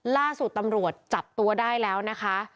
ล่าสุดตำรวจจับตัวได้แล้วนะคะ